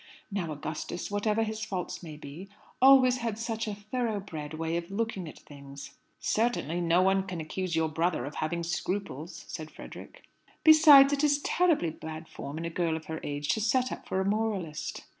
Now, Augustus, whatever his faults may be, always had such a thoroughbred way of looking at things." "Certainly, no one can accuse your brother of having scruples," said Frederick. "Besides, it is terribly bad form in a girl of her age to set up for a moralist."